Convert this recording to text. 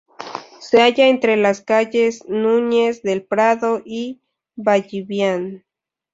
Se halla entre las calles Núñez del Prado y Ballivián.